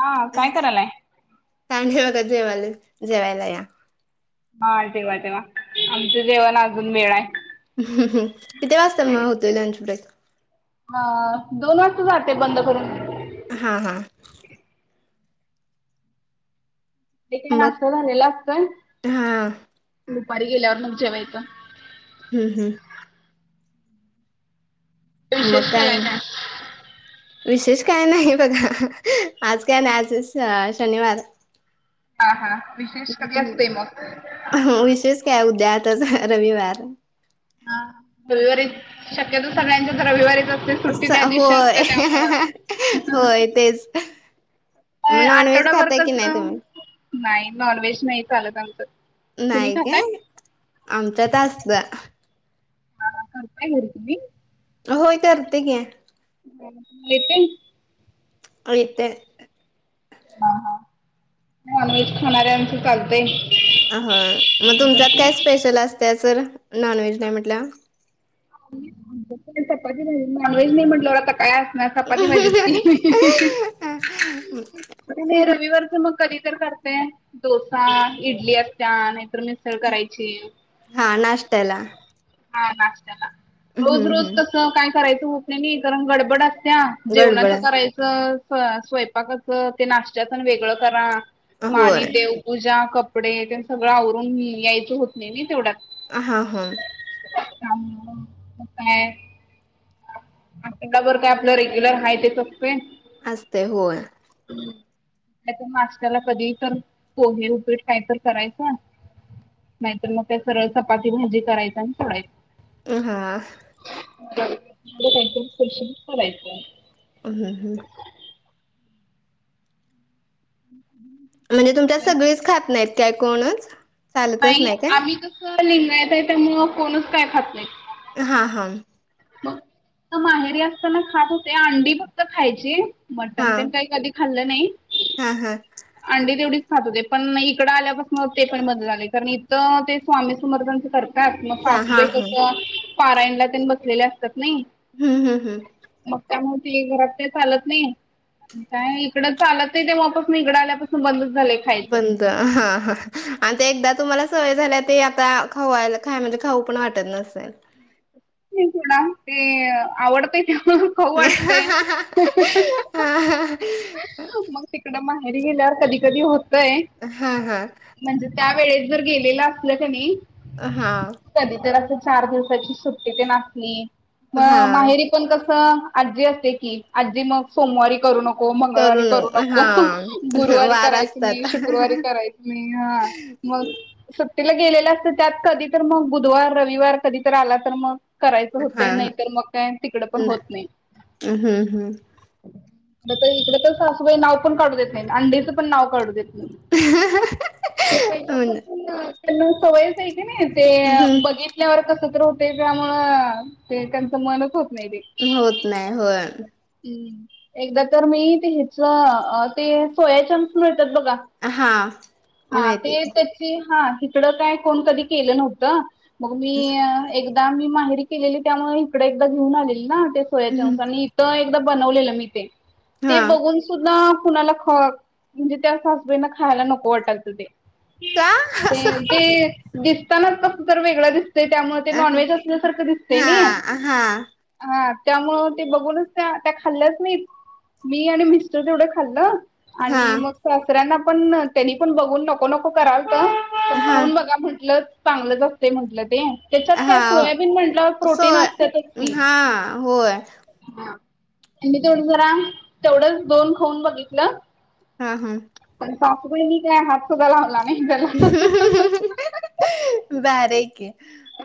हा काय करायलाय? काय नाय बघा जेवायलोय जेवायला या. हा जेवा जेवा आमचं जेवण अजून वेळ आहे. ह्म किती वाजता मग होतोय लंच ब्रेक? हा दोन वाजता जाते बंद करून. हां हां एक ला मग नाश्ता झालेला असतोय हा दुपारी गेल्यावर मग जेवायचं. हम् हम् मग विशेष केलाय काय? विशेष काय नाही बघा आज काय नाही आज शनिवार हा हा विशेष कधी असतय मग? विशेष काय उद्या आताच रविवार हा रविवारी शक्यतो सगळ्यांच्या रविवारीच असते सुट्टी स- त्या दिवशी होय असते त्यामुळ. होय तेच अ म नॉनव्हेज आठवडाभर खाता की नाही कसं तुम्ही? नाही नॉन व्हेज नाही चालत आमच्यात. नाही काय आमच्यात असल. हा हा करताय घरी तुम्ही? होय करतो की. हम येतय? येतय. हा हा नॉन व्हेज खाणाऱ्याच चालतय. अ ह मग तुमच्यात काय स्पेशल असतय सर, नॉन व्हेज नाही म्हटल्यावर. आम्ही चपाती भाजी नाँन व्हेज नाही म्हटलंवर आता काय [unintelligible] ना चपाती भाजीच की [unintelligible] तुम्ही रविवारच मग कधी तर करताय ते डोसा इडली असत्या नाहीतर मिसळ उसळ करायची, हा नाश्त्याला हा नाष्ट्याला हम्म रोज रोज हम्म कस काय करायचं होत नाही कारण गडबड असत्या गडबड जेवणाच करायचं सगळ स्वयंपाकाच ते नाष्ट्या पण वेगळं करा मग आणि होय देव पूजा कपडे ते सगळं आवरून मी यायचं होत नाही ना तेवढ्यात आ हा हा त्यामुळे मग काय अंगावर काय आपलं रेग्युलर आहे तेच असतय. असते होय हम् [unintelligible] त्याच्या मास्तरला कधी तर पोहे उप्पीट काहीतर करायचं. नाहीतर मग त्या सरळ चपाती भाजी करायच आणि सोडायच. ह हां खुशीलाय [unintelligible] ह् हम हं [unintelligible] म्हणजे तुमच्यात सगळीच खात नाहीत काय कोणच चालतच नाही काय आम्ही कस लिंगायत येत आहे त्यामुळं कोणच काय खात नाही. हा हा मग माहेरी असताना खात होते अंडी फक्त खायची. हा मटन पण काही कधी खाल्लं नाही. हा अंडी तेवढीच खात होते पण इकडं आल्यापासून ते पण बंद झाले, कारण इथं ते स्वामी समर्थनाच कर तर मग हा हा सासुबाई हा कस पारायणला पण बसलेले असतात नाही. हम् हम् हम् मग त्यामुळे ती घरात ते चालत नाही. काय इकडं चालत नाही तेव्हापासून इकडं आल्यापासून बंदच झाले. बंद ह ह आणि ते एकदा तुम्हाला सवय झाल्या ते आता खावायला खाय म्हणजे खाऊ पण वाटत नसेल. नाही थोडा ते आवडतय त्या खाऊ हा वाटतय मग ते तिकड माहेरी गेल्यावर कधी कधी होतंय हा हा म्हणजे त्या वेळेस जर गेलेलं असलं क नाही हा कधी तर अस चार दिवसाची सुट्टी ते नसली हा मग माहेरी पण कस आजी असते की आजी मग सोमवारी करू नको. हो मंगळवारी करू न नको, हा गुरुवारी वार करायच नाही असतात शुक्रवारी करायच नाही हा मग सत्तेला गेलेलं असत त्यात कधी तर मग बुधवार रविवार कधी तर आला तर मग करायचं होत हा नाहीतर मग काय तिकड पण होत नाही. हम्म हम्म इकडे तर सासूबाई नाव पण काढू देत नाही अंडीच पण नाव काढू देत नाही. ते हो ना पाहिल्यापासून त्यांना सवयच नाही. नाही ते हम्म बघितल्यावर कस तर होते त्यामुळ ते त्यांचं मनच होत नाही ते होत नाही. होय. हम्म एकदा तर मी ते ह्याच ते सोया चंक्स मिळतात बघा हा हा माहिती ते त्याची हा तिकडं काय कोण कधी केलं नव्हतं मग मी एकदा मी माहेरी केलेली त्यामुळे इकडे एकदा घेऊन आलेली ना ते सोयाचंक्स आणि इथ एकदा बनवलेलं मी ते. ते हा बघून सुद्धा कुणाला ख म्हणजे त्या [unintelligible] खायला नको वाटायचं ते का असं ते दिसताना कसतरी वेगळ दिसतय त्यामुळे ते हा नॉनवेज असल्यासारखं दिसतंय नाही. हा हा हा त्यामुळ ते बघूनच त्या त्या खाल्ल्याच नाहीत मी आणि मिस्टर तेवढं खाल्ल आणि मग सासऱ्यांना पण त्यांनी पण बघून नको नको करालत हा चाखून बघा म्हटल चांगलंच असते म्हटलं ते त्याच्यात काय हा सोयाबीन म्हटल्यावर प्रोटीन सोय असत्यातच की. हा होय हा त्यांनी तेवढं जरा तेवढंच दोन खाऊन बघितलं हा हा. पण सासूबाईंनी काय हात सुद्धा लावला नाही त्याला भारी की.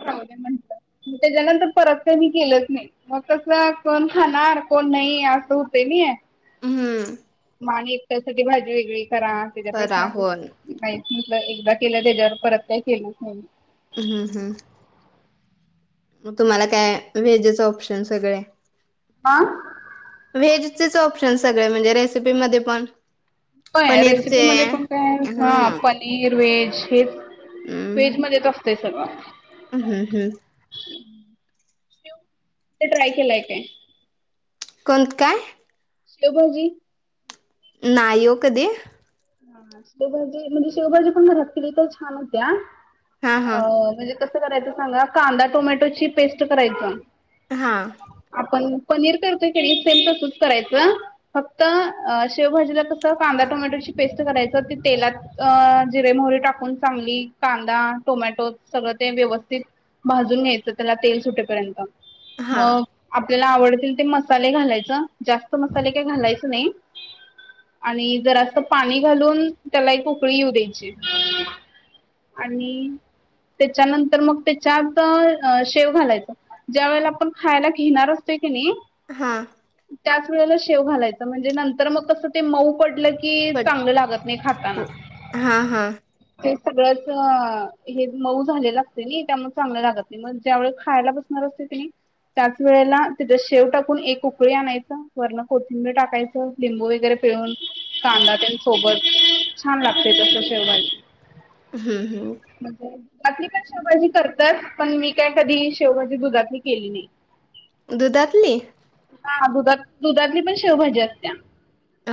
राहू दे म्हटलं, त्याच्यानंतर परत काय मी केलंच नाही. मग कस कोण खाणार कोण नाही असं होतंय नाही. हम्म. आणि एकट्यासाठी भाजी वेगळी करा परा त्याच्यापेक्षा होय काय तीच एकदा केलं त्याच्यावर परत काय केलंच नाही. हम्म हम्म. मग तुम्हाला काय व्हेजेचं ऑप्शन सगळे हा. व्हेजचेच ऑप्शन सगळे म्हणजे रेसिपीमध्ये पण व्हय, पनीरचे रेसिपीमध्ये पण काय हा हम्म पनीर वेज हेच हम्म व्हेजमध्येच अस तय सगळ. हम्म हम्म. ते ट्राय केलय काय? कंद काय? शेवभाजी नाही ओ कधी. हा शेवभजी म्हणजे शेवभाजी पण घरात केली तर छान होते हा हा हा अह म्हणजे कसं करायचं सांगा, कांदा टोमॅटो ची पेस्ट करायचं हा. आपण पनीर करतोय की नाय सेम तसच करायचं फक्त अह शेवभाजीला कस कांदा टोमॅटोची पेस्ट घालायचं असत तेलात अह जिरे मोहरी टाकून चांगली कांदा, टोमॅटो सगळं ते व्यवस्थित भाजून घ्यायचं त्याला तेल सुटेपर्यंत. हा मग आपल्याला आवडतील ते मसाले घालायच. जास्त मसाले काय घालायच नाही. आणि जरासं पाणी घालून त्याला एक उकळी येऊ द्यायची आणि त्याच्यानंतर मग त्याच्यात शेव घालायच ज्या वेळेला आपण खायला घेणार असतो की नाही हां त्याच वेळेला शेव घालायचं म्हणजे नंतर मग कसं ते मऊ पडलं की पड चांगलं लागत नाही खाताना हा हा ते सगळंच हे मऊ झालेलं असते नाही त्यामुळे चांगलं लागत नाही मग ज्यावेळी खायला बस नार असतो की नाही त्याच वेळेला तिचा शेव टाकून एक उकळी आणायचं वरला कोथिंबीर टाकायचं लिंबू वगैरे पिळून कांदा ते सोबत छान लागते तस शेवभाजी हम् हम दुधातली पण शेवभाजी करतात पण मी काय कधी शेवभाजी दुधातली केली नाही दुधातली हा दुधात दुधातली पण शेवभाजी असत्या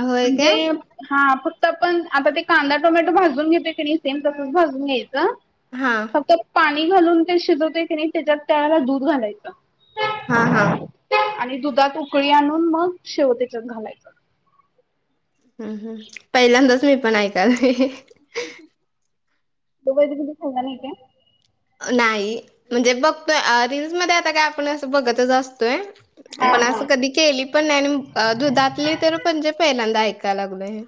होय काय हा फक्त आपण आता ते कांदा टोमॅटो भाजून घेतोय की नाही सेम तसच भाजून घ्यायचं हा फक्त पाणी घालून ते शिजवते की नाही त्याच्यात त्याळाला दूध घालायचं हा हा आणि दुधात उकळी आणून मग शेवतेच्यात घालायची पहिल्यांदाच मी पण ऐकाल म दुधातली कुठे खाल्ला नाही काय नाही म्हणजे बघतोय रीलल्स मध्ये आता काय आपण असं बघतच असतोय हा पण असं हा कधी केली पण नाही आणि दुधातली तर पणजे पहिल्यांदा ऐकायला लागल हे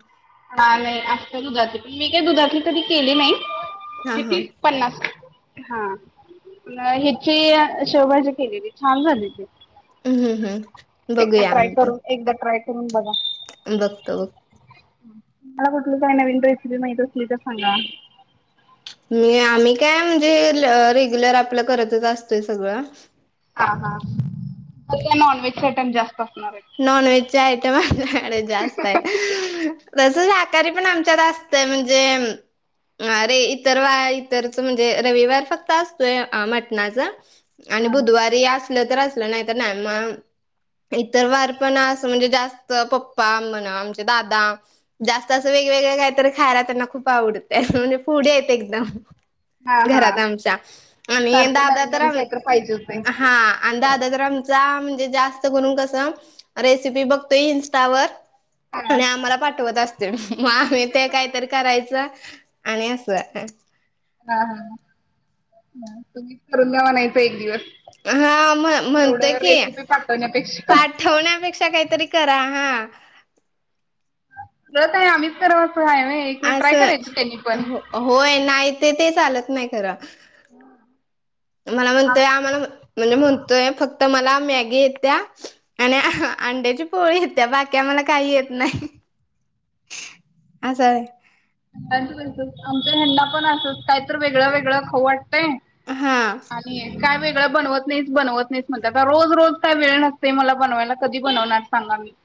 हा नाही आत्ता दुधातली पण मी काय दुधातले कधी केली हां, नाही कि हां. पन्नास हा हिची शेवभाजी केलेली छान झाली ती. हम्म हम्म हम्म एकदा बघूया ट्राय नंतर? करून एकदा ट्राय करून बघा? बघतो. मला कुठलं काही नवीन रेसिपी माहीती असली तर सांगा. मी आम्ही काय म्हणजे रेग्युलर आपलं करतचचं असतोयं सगळं. हा हा ते त्या नॉनव्हेज ॲटम जास्तं असणार आहे. नॉनव्हेजचे ॲटम माझ्याकडे जास्तं आहे. तसं आखाड्यात पण आमच्यात असते म्हणजे? अरे इतर वारी इतर म्हणजे रविवार फक्त असतोयं फक्त मटणाचा. आणि आहेत. बुधवारी असलं तर असलं नाही तर नाही मंग. तर वार पण असं म्हणजे जास्त पप्पा म्हणा आमचे दादा? जास्त असं वेगळं वेगळं कायतरी खायला त्यांना खूप आवडतें म्हणजे फ्रुडी हेत एकदम. हा हा घरात आमच्या आणि सारखं दादा नवीन तर नवीन काहीतर पाहिजे होतंय. हा. आणि दादा तर आमचा म्हणजे जास्त करून कसं रेसिपी बघतोयं इंटरेस्ट आहे. स्टावर हा आणि आम्हाला पाठवतं असतं. आम्ही कायतरी करायचं आणि असं. हा हा तुम्हीच करून दया म्हण एक दिवस. हा म्हण म्हणते एवढं कि रेसिपी पाठवण्यापेक्षा पाठ ठेवण्यापेक्षा काहीतरी करा हा. रोज काय आम्हीचं करावंस हाय व्हवं एक वेळ ट्राय असं करायच त्यांनी पण. हो होय, नाही ते ते चालत नाही खरं. [inaudible] मला हा म्हणतोयं आम्हाला म्हणतोय फक्त मला मॅगी येत्या आणि हा अंड्याची पोळी येत्या, बाकी आम्हाला काही येत नाही. असं हाय. आमचा यांना पण असंच काही तर वेगळं वेगळं खाऊ वाटतंय हां. आणि काय वेगळं बनवतं नाहीसं, बनवत नाहीसं म्हणत्यात, आता रोज रोज काय वेळ नसतय मला बनवायला, कधी बनवणार सांगा ना? [inaudible]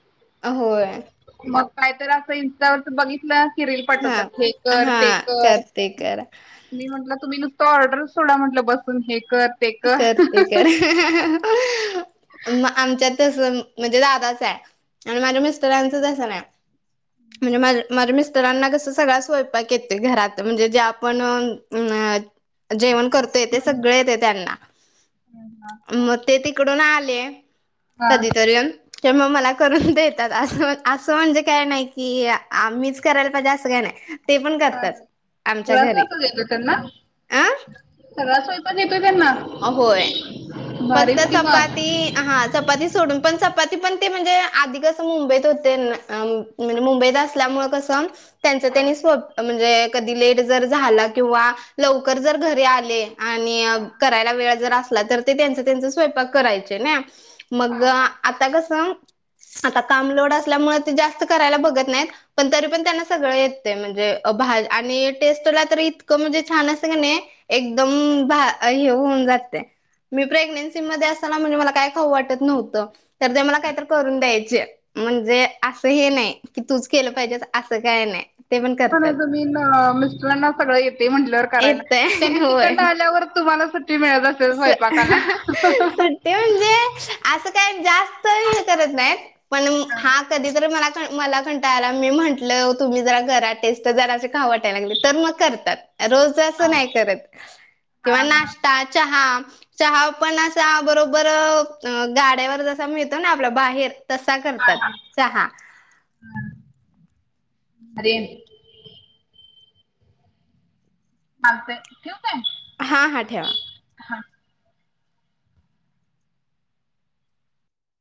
होय. मग काय तर असं इन्स्टा वर बघितलं कि रील हा पाठवतात हे कर हा ते कर. करते करा मी म्हटलं तुम्ही नुसतं ऑर्डर सोडा म्हटलं बसून हे कर हे कर ते कर. [inaudible] आमच्यात तसं म्हणजे दादाचं हाय. आणि माझ्या मिस्टरांच तसं नाही. [inaudible] म्हणजे माझ्या मिस्टरांना कसं सगळा स्वयंपाक येतीत घरात म्हणजे जे आपण अं जेवण करतोय ते सगळे येतय त्यांना, मग ते तिकडून आले, हा कधीतरी मग मला करून देतात, असं म्हणजे काय नाही कि आम्हीच करायला पाहिजे असं काय नाय ते पण हा करतात आमच्या सगळा घरी, स्वयंपाक येतो त्यांना अं? सगळा स्वयंपाक येतोय त्यांना? होय, फक्त भारीच की मग चपाती हा चपाती सोडून, पण चपाती पण ते म्हणजे आधी कसं मुंबईतं होते मी न मुंबईत असल्यामुळे कसं त्यांच हा त्यांनी सो म्हणजे कधी लेट जर झाला, किंवा लवकर जर घरी आले आणि करायला वेळ जर असला तर ते त्यांच त्यांचं स्वयंपाक करायचे नाही मग हा आता कसं आता काम लोड असल्यामुळे ते जास्त करायला बघत नाहीत पण तरी पण त्यांना सगळं येतय, म्हणजे भाज आणि टेस्टला तर इतकं म्हणजे छान असंय किणी एकदम भा हे होऊन जातय, मी प्रेग्नेन्सी मध्ये असताना म्हणजे मला काय खाऊ वाटत नव्हतं तर ते मला काहीत करून द्यायचे, म्हणजे असं हे नाही की तुच केलं पाहिजेस असं काय नाही ते पण नाही करतात. तुम्ही मिस्टरांना सगळं येते म्हटल्यावर करायला ते त्यांनी होय. तिकडनं आल्यावर तुम्हाला सुट्टी मिळत असेल स्वयंपाकाला सुट्टी म्हणजे असं काय जास्त हे करत नाहीत पण हा कधी तर मला मला कंटाळा आला आणि मी म्हंटलं तुम्ही जरा करा टेस्ट जराशे खाऊ वाटाय लागले तर मग करतात रोज च आस नाही करत, किंवा नाश्ता, चहा चहा पण असा बरोबर गाड्यावर जसा मिळतो ना आपला बाहेर तसा करतात चहा. आर्यन. आते ठेवतेय. हां-हां, ठेवा.